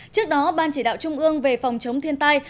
trước đó ban chỉ đạo trung ương về phòng chống thiên tai